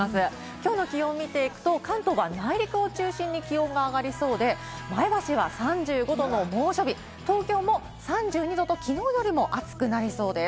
きょうの気温を見ていくと、関東は内陸を中心に気温が上がりそうで、前橋は３５度の猛暑日、東京も３２度ときのうよりも暑くなりそうです。